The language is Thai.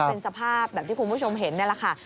เป็นสภาพแบบที่คุณผู้ชมเห็นนี่แหละค่ะ